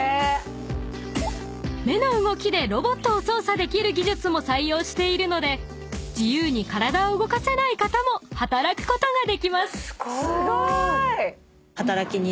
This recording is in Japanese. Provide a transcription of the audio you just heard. ［目の動きでロボットを操作できる技術も採用しているので自由に体を動かせない方も働くことができます］